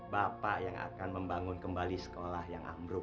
bapak yang akan membangun kembali sekolah yang ambruk